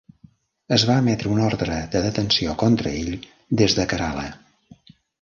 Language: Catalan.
Es va emetre una ordre de detenció contra ell des de Kerala.